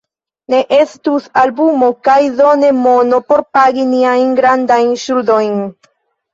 Ne estus albumo kaj do ne mono por pagi niajn grandajn ŝuldojn.